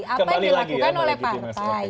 apa yang dilakukan oleh partai